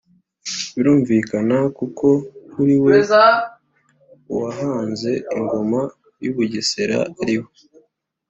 birumvikana kuko kuri we uwahanze ingoma y'u bugesera ari we